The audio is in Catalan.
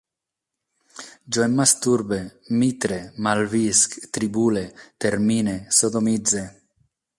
Jo em masturbe, mitre, malvisc, tribule, termine, sodomitze